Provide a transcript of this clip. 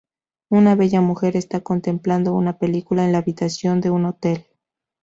Una bella mujer está contemplando una película en la habitación de un hotel.